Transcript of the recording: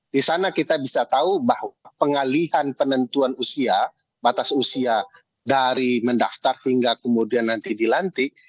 di sana kita bisa tahu bahwa pengalihan penentuan usia batas usia dari mendaftar hingga kemudian nanti dilantik